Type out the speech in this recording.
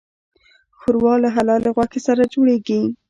ښوروا له حلالې غوښې سره جوړیږي.